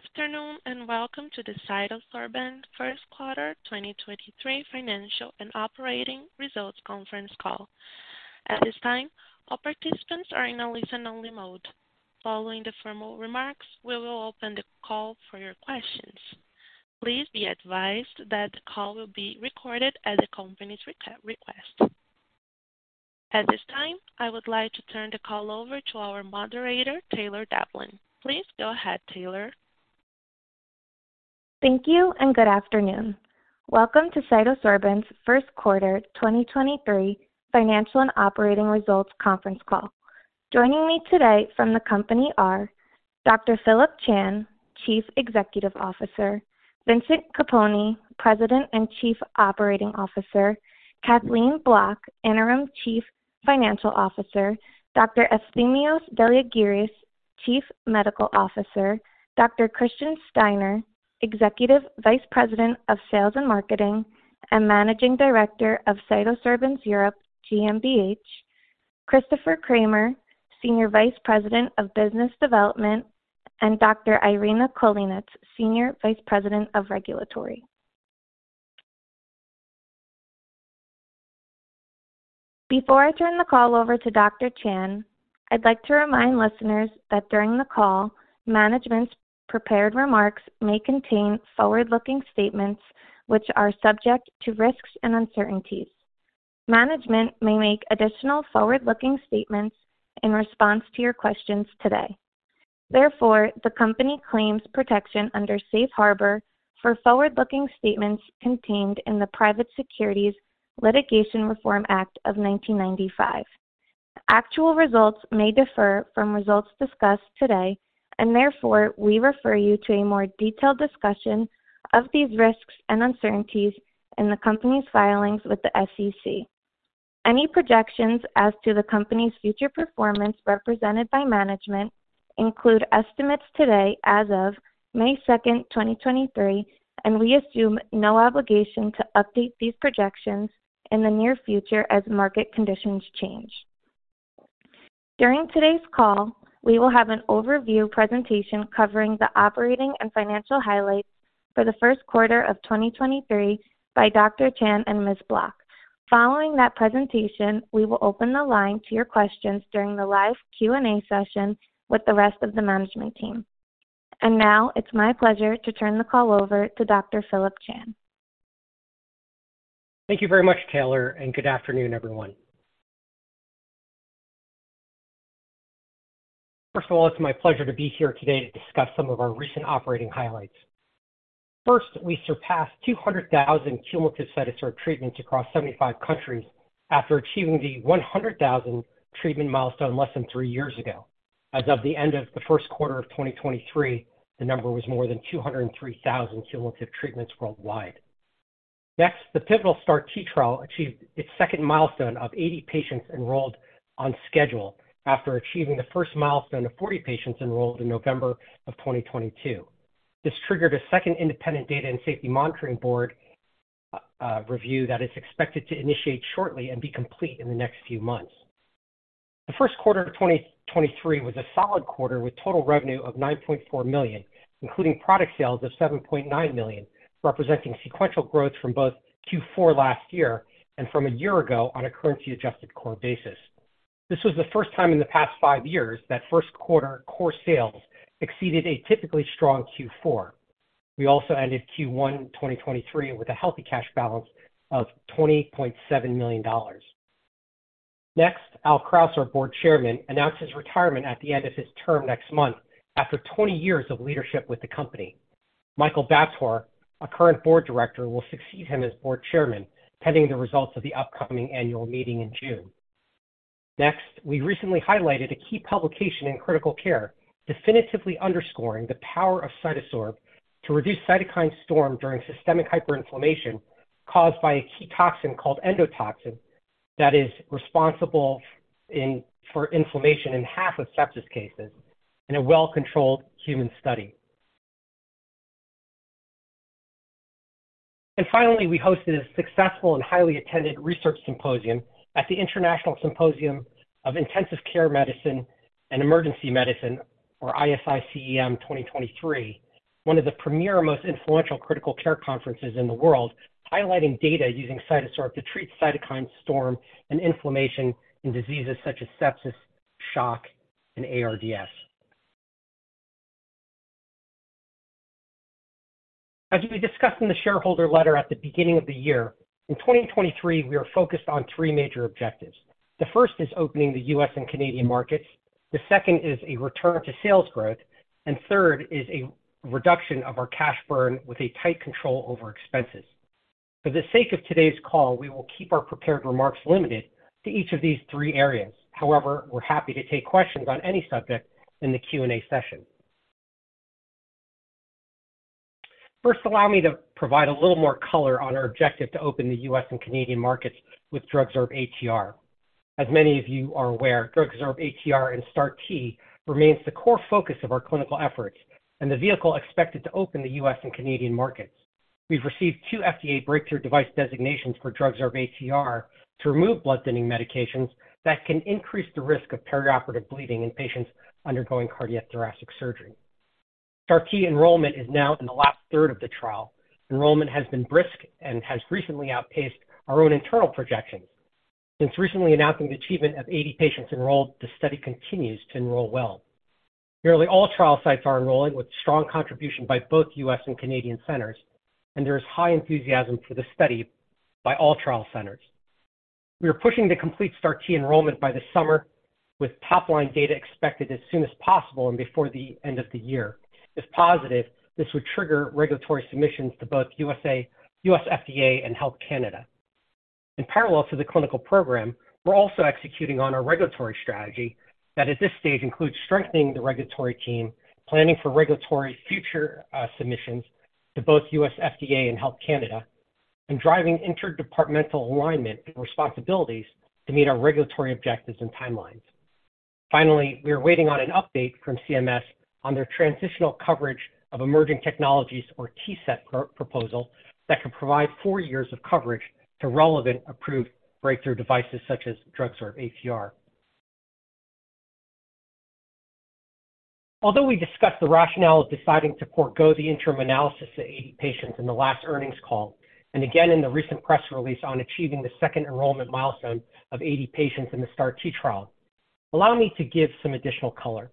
Good afternoon, welcome to the CytoSorbents first quarter 2023 financial and operating results conference call. At this time, all participants are in a listen-only mode. Following the formal remarks, we will open the call for your questions. Please be advised that the call will be recorded at the company's request. At this time, I would like to turn the call over to our moderator, Taylor Devlin. Please go ahead, Taylor. Thank you and good afternoon. Welcome to CytoSorbents first quarter 2023 financial and operating results conference call. Joining me today from the company are Dr. Phillip Chan, Chief Executive Officer, Vincent Capponi, President and Chief Operating Officer, Kathleen Bloch, Interim Chief Financial Officer, Dr. Efthymios Deliargyris, Chief Medical Officer, Dr. Christian Steiner, Executive Vice President of Sales and Marketing and Managing Director of CytoSorbents Europe GmbH, Christopher Cramer, Senior Vice President of Business Development, and Dr. Irina Kulinets, Senior Vice President of Regulatory. Before I turn the call over to Dr. Chan, I'd like to remind listeners that during the call, management's prepared remarks may contain forward-looking statements which are subject to risks and uncertainties. Management may make additional forward-looking statements in response to your questions today. Therefore, the company claims protection under Safe Harbor for forward-looking statements contained in the Private Securities Litigation Reform Act of 1995. Actual results may differ from results discussed today, therefore, we refer you to a more detailed discussion of these risks and uncertainties in the company's filings with the SEC. Any projections as to the company's future performance represented by management include estimates today as of May 2, 2023, we assume no obligation to update these projections in the near future as market conditions change. During today's call, we will have an overview presentation covering the operating and financial highlights for the first quarter of 2023 by Dr. Chan and Ms. Bloch. Following that presentation, we will open the line to your questions during the live Q&A session with the rest of the management team. Now it's my pleasure to turn the call over to Dr. Phillip Chan. Thank you very much, Taylor. Good afternoon, everyone. First of all, it's my pleasure to be here today to discuss some of our recent operating highlights. First, we surpassed 200,000 cumulative CytoSorb treatments across 75 countries after achieving the 100,000 treatment milestone less than three years ago. As of the end of the first quarter of 2023, the number was more than 203,000 cumulative treatments worldwide. Next, the pivotal STAR-T trial achieved its second milestone of 80 patients enrolled on schedule after achieving the first milestone of 40 patients enrolled in November of 2022. This triggered a second independent data and safety monitoring board review that is expected to initiate shortly and be complete in the next few months. The first quarter of 2023 was a solid quarter with total revenue of $9.4 million, including product sales of $7.9 million, representing sequential growth from both Q4 last year and from a year ago on a currency-adjusted core basis. This was the first time in the past five years that first quarter core sales exceeded a typically strong Q4. We also ended Q1 2023 with a healthy cash balance of $20.7 million. Al Kraus, our Board Chairman, announced his retirement at the end of his term next month after 20 years of leadership with the company. Michael Bator, a current Board Director, will succeed him as Board Chairman, pending the results of the upcoming annual meeting in June. We recently highlighted a key publication in Critical Care, definitively underscoring the power of CytoSorb to reduce cytokine storm during systemic hyperinflammation caused by a key toxin called endotoxin that is responsible for inflammation in half of sepsis cases in a well-controlled human study. Finally, we hosted a successful and highly attended research symposium at the International Symposium of Intensive Care Medicine and Emergency Medicine, or ISICEM 2023, one of the premier, most influential critical care conferences in the world, highlighting data using CytoSorb to treat cytokine storm and inflammation in diseases such as sepsis, shock, and ARDS. As we discussed in the shareholder letter at the beginning of the year, in 2023, we are focused on three major objectives. The first is opening the US and Canadian markets, the second is a return to sales growth, and third is a reduction of our cash burn with a tight control over expenses. For the sake of today's call, we will keep our prepared remarks limited to each of these three areas. We're happy to take questions on any subject in the Q&A session. First, allow me to provide a little more color on our objective to open the U.S. and Canadian markets with DrugSorb-ATR. As many of you are aware, DrugSorb-ATR and STAR-T remains the core focus of our clinical efforts and the vehicle expected to open the U.S. and Canadian markets. We've received two FDA Breakthrough Device designations for DrugSorb-ATR to remove blood thinning medications that can increase the risk of perioperative bleeding in patients undergoing cardiothoracic surgery. STAR-T enrollment is now in the last third of the trial. Enrollment has been brisk and has recently outpaced our own internal projections. Since recently announcing the achievement of 80 patients enrolled, the study continues to enroll well. Nearly all trial sites are enrolling, with strong contribution by both US and Canadian centers, and there is high enthusiasm for the study by all trial centers. We are pushing to complete STAR-T enrollment by this summer, with top line data expected as soon as possible and before the end of the year. If positive, this would trigger regulatory submissions to both US FDA and Health Canada. In parallel to the clinical program, we're also executing on our regulatory strategy that at this stage includes strengthening the regulatory team, planning for regulatory future submissions to both U.S. FDA and Health Canada, and driving interdepartmental alignment and responsibilities to meet our regulatory objectives and timelines. Finally, we are waiting on an update from CMS on their transitional coverage of emerging technologies, or TCET proposal that could provide four years of coverage to relevant approved Breakthrough Devices such as DrugSorb-ATR. Although we discussed the rationale of deciding to forego the interim analysis of 80 patients in the last earnings call and again in the recent press release on achieving the second enrollment milestone of 80 patients in the STAR-T trial, allow me to give some additional color.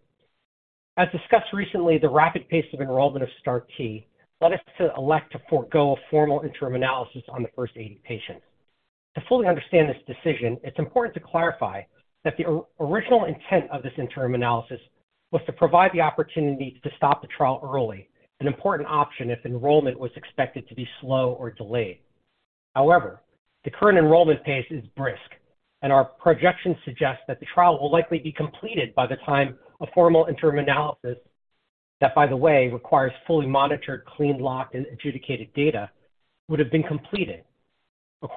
As discussed recently, the rapid pace of enrollment of STAR-T led us to elect to forego a formal interim analysis on the first 80 patients. To fully understand this decision, it's important to clarify that the original intent of this interim analysis was to provide the opportunity to stop the trial early, an important option if enrollment was expected to be slow or delayed. The current enrollment pace is brisk, and our projections suggest that the trial will likely be completed by the time a formal interim analysis, that by the way, requires fully monitored, clean, locked, and adjudicated data, would have been completed. A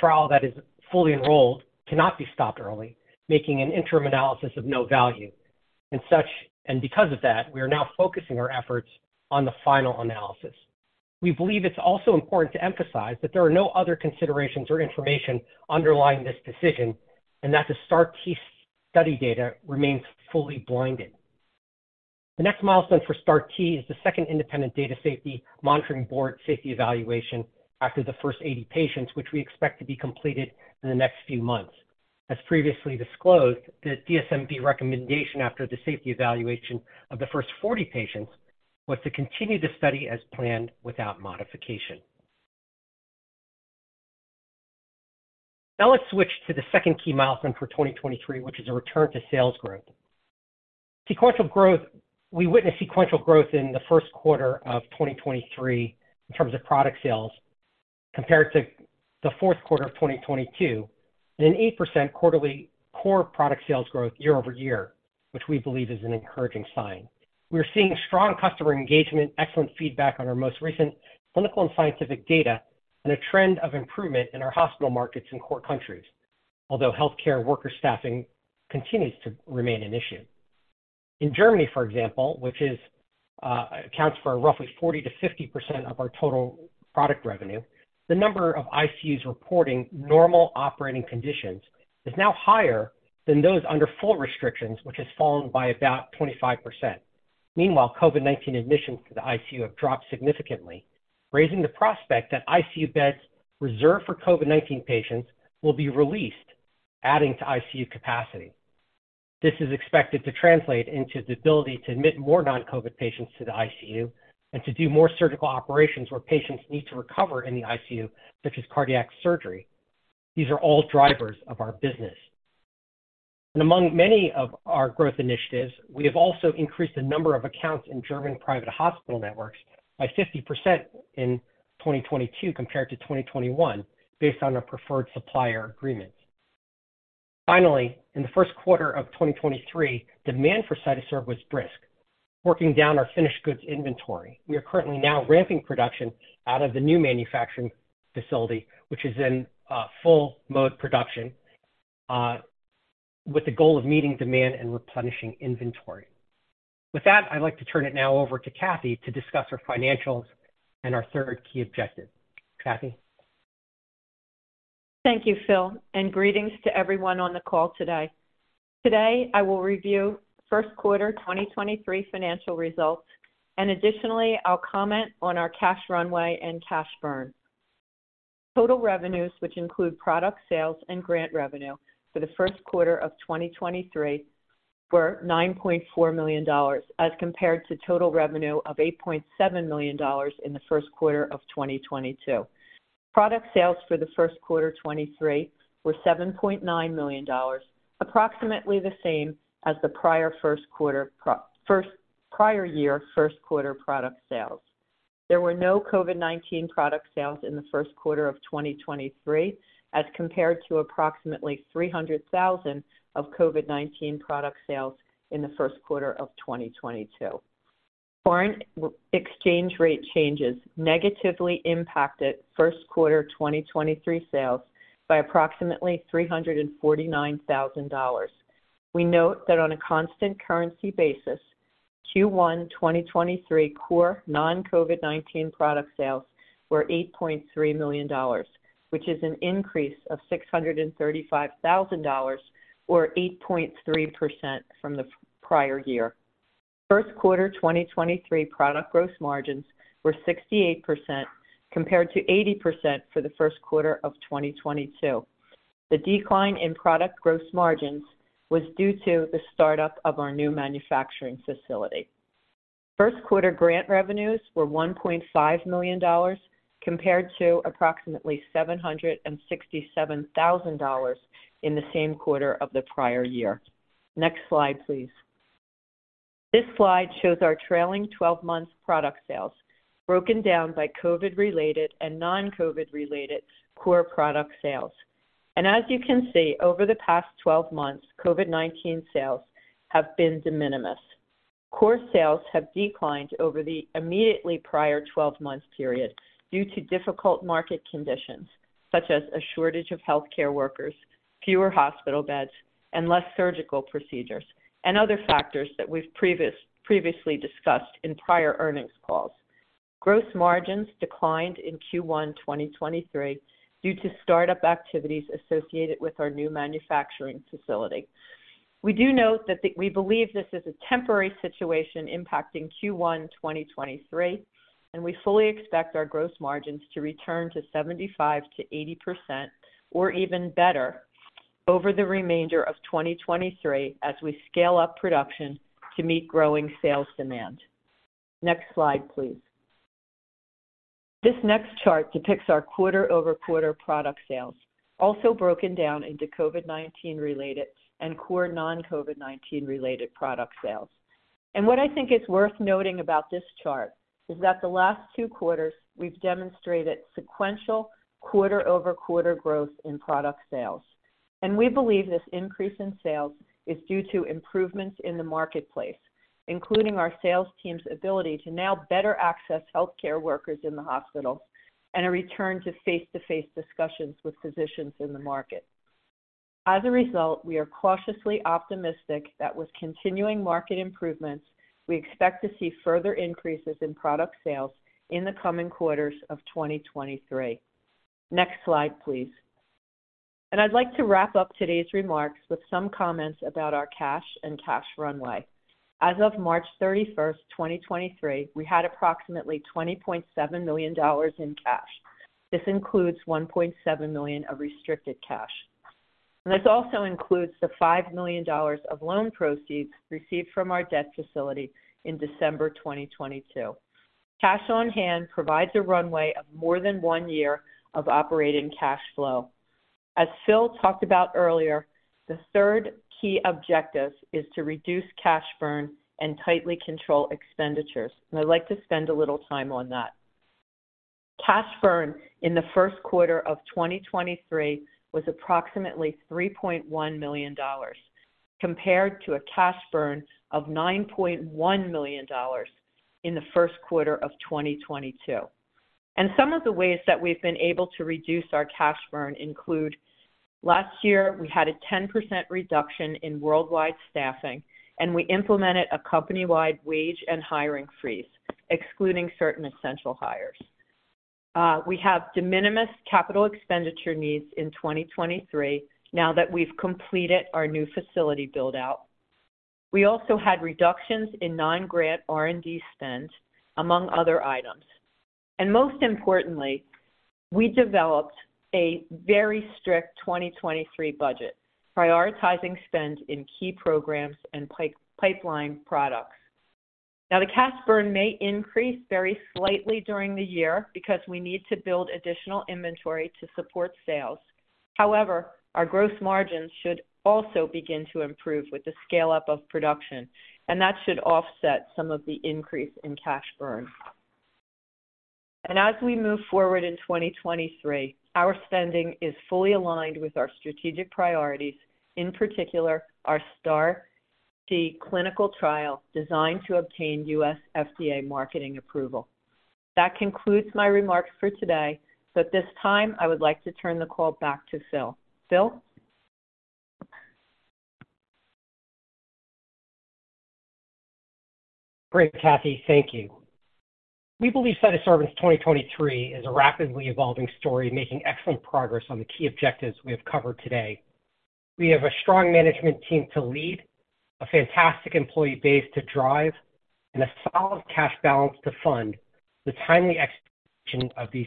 trial that is fully enrolled cannot be stopped early, making an interim analysis of no value. Because of that, we are now focusing our efforts on the final analysis. We believe it's also important to emphasize that there are no other considerations or information underlying this decision, and that the STAR-T study data remains fully blinded. The next milestone for STAR-T is the second independent data safety monitoring board safety evaluation after the first 80 patients, which we expect to be completed in the next few months. As previously disclosed, the DSMB recommendation after the safety evaluation of the first 40 patients was to continue the study as planned without modification. Let's switch to the second key milestone for 2023, which is a return to sales growth. We witnessed sequential growth in the first quarter of 2023 in terms of product sales compared to the fourth quarter of 2022, and an 8% quarterly core product sales growth year-over-year, which we believe is an encouraging sign. We are seeing strong customer engagement, excellent feedback on our most recent clinical and scientific data, and a trend of improvement in our hospital markets in core countries. Healthcare worker staffing continues to remain an issue. In Germany, for example, which accounts for roughly 40%-50% of our total product revenue, the number of ICUs reporting normal operating conditions is now higher than those under full restrictions, which has fallen by about 25%. Meanwhile, COVID-19 admissions to the ICU have dropped significantly, raising the prospect that ICU beds reserved for COVID-19 patients will be released, adding to ICU capacity. This is expected to translate into the ability to admit more non-COVID patients to the ICU and to do more surgical operations where patients need to recover in the ICU, such as cardiac surgery. These are all drivers of our business. Among many of our growth initiatives, we have also increased the number of accounts in German private hospital networks by 50% in 2022 compared to 2021 based on our preferred supplier agreements. Finally, in the 1st quarter of 2023, demand for CytoSorb was brisk. Working down our finished goods inventory, we are currently now ramping production out of the new manufacturing facility, which is in full mode production, with the goal of meeting demand and replenishing inventory. With that, I'd like to turn it now over to Kathy to discuss our financials and our third key objective. Kathy? Thank you, Philip. Greetings to everyone on the call today. Today I will review first quarter 2023 financial results. Additionally, I'll comment on our cash runway and cash burn. Total revenues, which include product sales and grant revenue for the first quarter of 2023 were $9.4 million as compared to total revenue of $8.7 million in the first quarter of 2022. Product sales for the first quarter 2023 were $7.9 million, approximately the same as the prior first quarter prior year first quarter product sales. There were no COVID-19 product sales in the first quarter of 2023, as compared to approximately $300,000 of COVID-19 product sales in the first quarter of 2022. Foreign exchange rate changes negatively impacted first quarter 2023 sales by approximately $349,000. We note that on a constant currency basis, Q1 2023 core non-COVID-19 product sales were $8.3 million, which is an increase of $635,000, or 8.3% from the prior year. First quarter 2023 product gross margins were 68%, compared to 80% for the first quarter of 2022. The decline in product gross margins was due to the start-up of our new manufacturing facility. First quarter grant revenues were $1.5 million, compared to approximately $767,000 in the same quarter of the prior year. Next slide, please. This slide shows our trailing-12-month product sales broken down by COVID-related and non-COVID-related core product sales. As you can see, over the past 12 months, COVID-19 sales have been de minimis. Core sales have declined over the immediately prior 12-month period due to difficult market conditions, such as a shortage of healthcare workers, fewer hospital beds, and less surgical procedures, and other factors that we've previously discussed in prior earnings calls. Gross margins declined in Q1 2023 due to start-up activities associated with our new manufacturing facility. We do note that we believe this is a temporary situation impacting Q1 2023, and we fully expect our gross margins to return to 75%-80% or even better over the remainder of 2023 as we scale up production to meet growing sales demand. Next slide, please. This next chart depicts our quarter-over-quarter product sales, also broken down into COVID-19 related and core non-COVID-19 related product sales. What I think is worth noting about this chart is that the last two quarters, we've demonstrated sequential quarter-over-quarter growth in product sales. We believe this increase in sales is due to improvements in the marketplace, including our sales team's ability to now better access healthcare workers in the hospitals and a return to face-to-face discussions with physicians in the market. As a result, we are cautiously optimistic that with continuing market improvements, we expect to see further increases in product sales in the coming quarters of 2023. Next slide, please. I'd like to wrap up today's remarks with some comments about our cash and cash runway. As of March 31st, 2023, we had approximately $20.7 million in cash. This includes $1.7 million of restricted cash. This also includes the $5 million of loan proceeds received from our debt facility in December 2022. Cash on hand provides a runway of more than one year of operating cash flow. As Philip talked about earlier, the third key objective is to reduce cash burn and tightly control expenditures, and I'd like to spend a little time on that. Cash burn in the first quarter of 2023 was approximately $3.1 million, compared to a cash burn of $9.1 million in the first quarter of 2022. Some of the ways that we've been able to reduce our cash burn include, last year, we had a 10% reduction in worldwide staffing, and we implemented a company-wide wage and hiring freeze, excluding certain essential hires. We have de minimis capital expenditure needs in 2023 now that we've completed our new facility build-out. We also had reductions in non-grant R&D spend, among other items. Most importantly, we developed a very strict 2023 budget, prioritizing spend in key programs and pipeline products. Now, the cash burn may increase very slightly during the year because we need to build additional inventory to support sales. Our growth margins should also begin to improve with the scale up of production, and that should offset some of the increase in cash burn. As we move forward in 2023, our spending is fully aligned with our strategic priorities, in particular, our STAR-T clinical trial designed to obtain US FDA marketing approval. That concludes my remarks for today, so at this time, I would like to turn the call back to Philip. Philip? Great, Kathy. Thank you. We believe CytoSorbents' 2023 is a rapidly evolving story, making excellent progress on the key objectives we have covered today. We have a strong management team to lead, a fantastic employee base to drive, and a solid cash balance to fund the timely execution of these.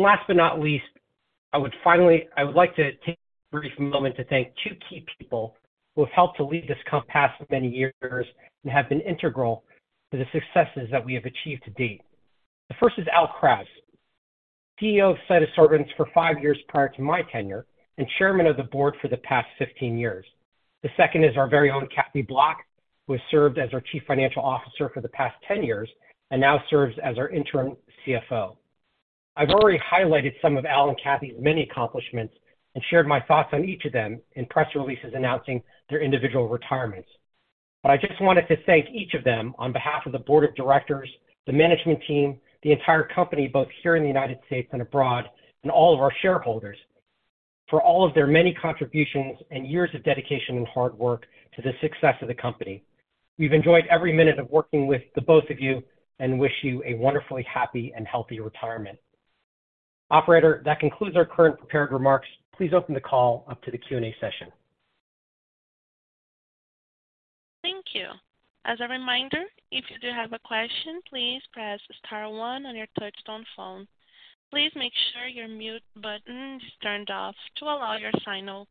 Last but not least, I would like to take a brief moment to thank two key people who have helped to lead this comp the past many years and have been integral to the successes that we have achieved to date. The first is Al Kraus, CEO of CytoSorbents for five years prior to my tenure and Chairman of the Board for the past 15 years. The second is our very own Kathy Bloch, who has served as our Chief Financial Officer for the past 10 years and now serves as our Interim CFO. I've already highlighted some of Al and Kathy's many accomplishments and shared my thoughts on each of them in press releases announcing their individual retirements. I just wanted to thank each of them on behalf of the board of directors, the management team, the entire company, both here in the United States and abroad, and all of our shareholders for all of their many contributions and years of dedication and hard work to the success of the company. We've enjoyed every minute of working with the both of you and wish you a wonderfully happy and healthy retirement. Operator, that concludes our current prepared remarks. Please open the call up to the Q&A session. Thank you. As a reminder, if you do have a question, please press star one on your touchtone phone. Please make sure your mute button is turned off to allow your signal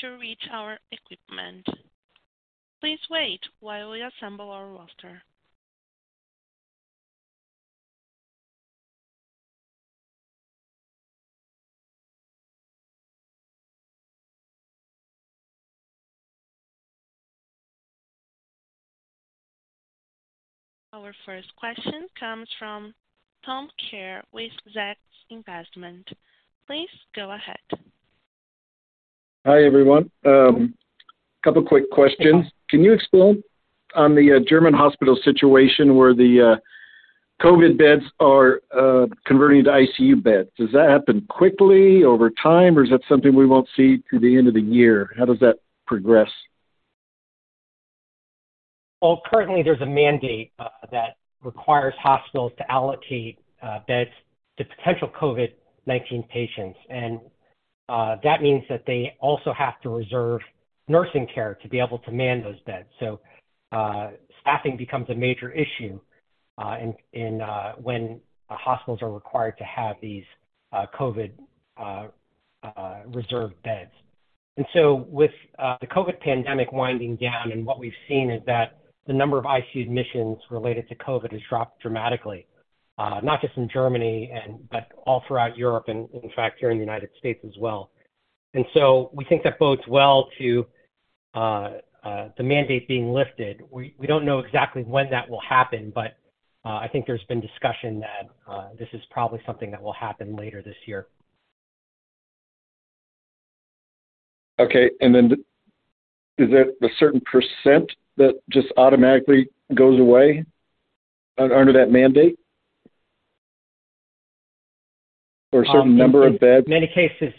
to reach our equipment. Please wait while we assemble our roster. Our first question comes from Tom Kerr with Zacks Investment. Please go ahead. Hi, everyone. A couple quick questions. Can you explain on the German hospital situation where the COVID beds are converting to ICU beds? Does that happen quickly over time, or is that something we won't see through the end of the year? How does that progress? Currently there's a mandate that requires hospitals to allocate beds to potential COVID-19 patients. That means that they also have to reserve nursing care to be able to man those beds. Staffing becomes a major issue in, when hospitals are required to have these COVID reserved beds. With the COVID pandemic winding down, and what we've seen is that the number of ICU admissions related to COVID has dropped dramatically, not just in Germany, but all throughout Europe and in fact, here in the United States as well. We think that bodes well to the mandate being lifted. We don't know exactly when that will happen, but I think there's been discussion that this is probably something that will happen later this year. Is that a certain % that just automatically goes away under that mandate? Or a certain number of beds? In many cases,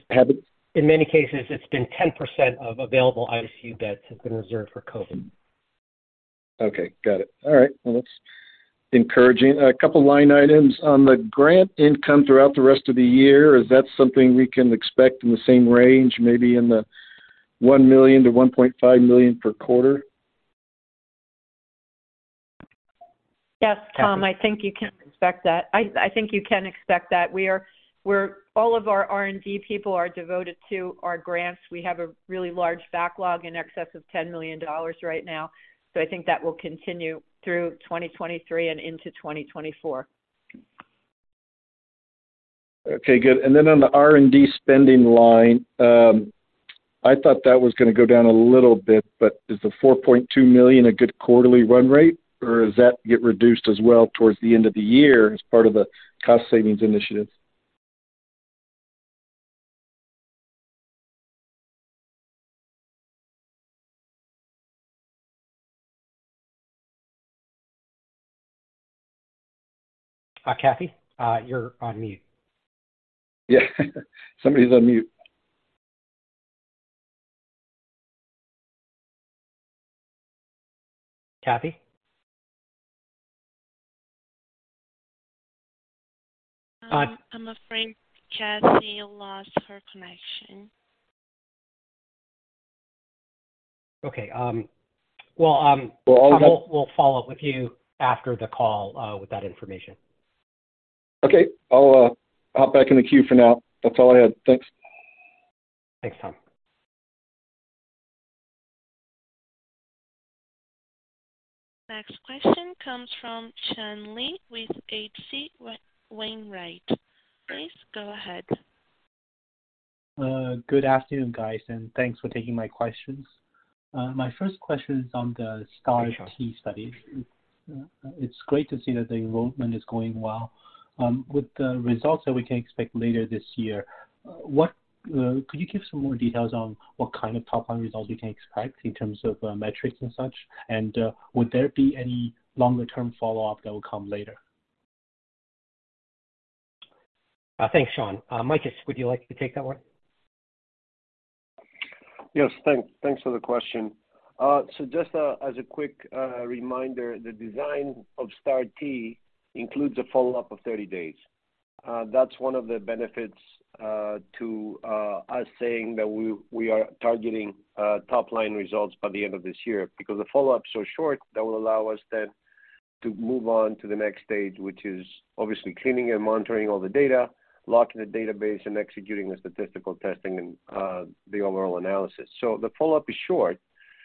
it's been 10% of available ICU beds have been reserved for COVID. Got it. That's encouraging. A couple line items on the grant income throughout the rest of the year. Is that something we can expect in the same range, maybe in the $1 million-$1.5 million per quarter? Yes, Tom, I think you can expect that. I think you can expect that. All of our R&D people are devoted to our grants. We have a really large backlog in excess of $10 million right now. I think that will continue through 2023 and into 2024. Okay, good. On the R&D spending line, I thought that was gonna go down a little bit, but is the $4.2 million a good quarterly run rate, or does that get reduced as well towards the end of the year as part of the cost savings initiative? Kathy, you're on mute. Yeah. Somebody's on mute. Kathy? I'm afraid Kathy lost her connection. Okay. Well, we'll follow up with you after the call with that information. Okay. I'll hop back in the queue for now. That's all I had. Thanks. Thanks, Tom. Next question comes from Sean Lee with H.C. Wainwright. Please go ahead. Good afternoon, guys, and thanks for taking my questions. My first question is on the STAR-T study. It's great to see that the enrollment is going well. With the results that we can expect later this year, what could you give some more details on what kind of top-line results we can expect in terms of metrics and such? Would there be any longer-term follow-up that will come later? Thanks, Sean. Efthymios, would you like to take that one? Yes. Thanks. Thanks for the question. Just as a quick reminder, the design of STAR-T includes a follow-up of 30 days. That's one of the benefits to us saying that we are targeting top-line results by the end of this year. The follow-up's so short, that will allow us then to move on to the next stage, which is obviously cleaning and monitoring all the data, locking the database, and executing the statistical testing and the overall analysis. The follow-up is short.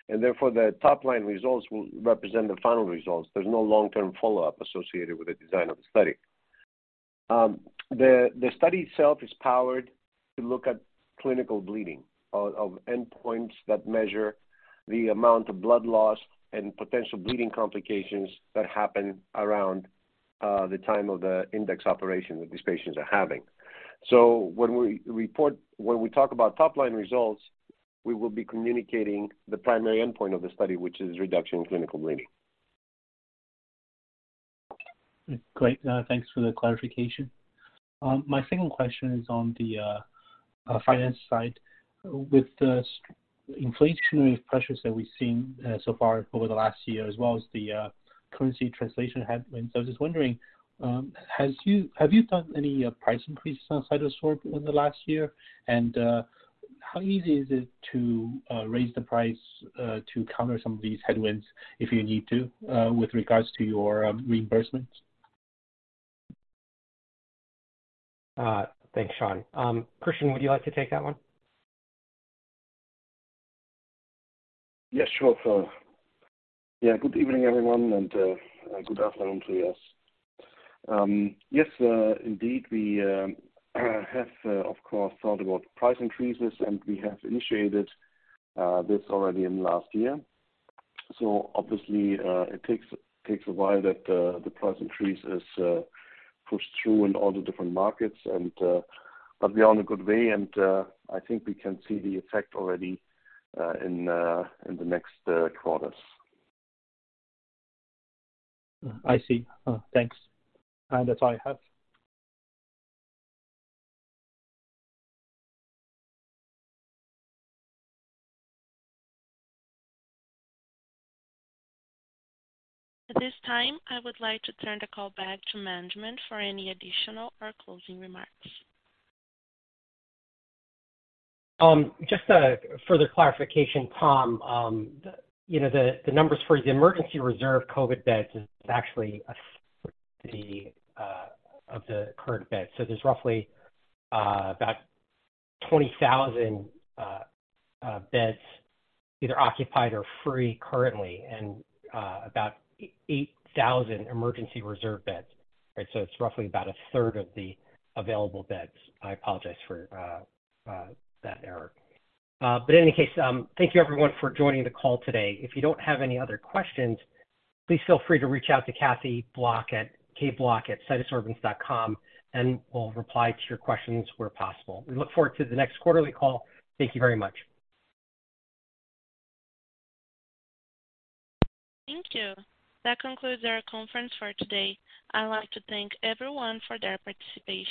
Therefore, the top-line results will represent the final results. There's no long-term follow-up associated with the design of the study. The study itself is powered to look at clinical bleeding of endpoints that measure the amount of blood loss and potential bleeding complications that happen around the time of the index operation that these patients are having. When we talk about top-line results, we will be communicating the primary endpoint of the study, which is reduction in clinical bleeding. Great. Thanks for the clarification. My second question is on the finance side. With the inflationary pressures that we've seen so far over the last year as well as the currency translation headwinds, I was just wondering, have you done any price increases on CytoSorb in the last year? How easy is it to raise the price to counter some of these headwinds if you need to with regards to your reimbursements? Thanks, Sean. Christian, would you like to take that one? Yes, sure. Good evening, everyone, and good afternoon to you. Yes, indeed, we have, of course, thought about price increases, and we have initiated this already in last year. Obviously, it takes a while that the price increases push through in all the different markets. We are on a good way, and I think we can see the effect already in the next quarters. I see. Thanks. That's all I have. At this time, I would like to turn the call back to management for any additional or closing remarks. just a further clarification, Tom. you know, the numbers for the emergency reserve COVID beds is actually a third of the of the current beds. There's roughly about 20,000 beds either occupied or free currently and about 8,000 emergency reserve beds. Right. It's roughly about a third of the available beds. I apologize for that error. In any case, thank you everyone for joining the call today. If you don't have any other questions, please feel free to reach out to Kathy Bloch at kblock@cytosorbents.com, and we'll reply to your questions where possible. We look forward to the next quarterly call. Thank you very much. Thank you. That concludes our conference for today. I'd like to thank everyone for their participation.